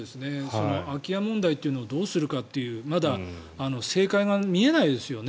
空き家問題というのをどうするかというまだ正解が見えないですよね。